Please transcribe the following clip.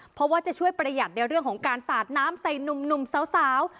เพราะว่าจะช่วยประหยัดในเรื่องของการสาดน้ำใส่หนุ่มสาว